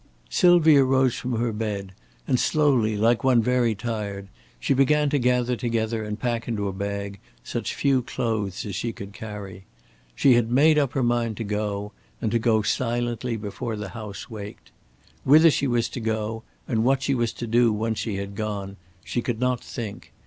Sylvia rose from her bed, and slowly like one very tired she began to gather together and pack into a bag such few clothes as she could carry. She had made up her mind to go, and to go silently before the house waked. Whither she was to go, and what she was to do once she had gone, she could not think.